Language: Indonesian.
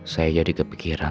saya jadi kepikiran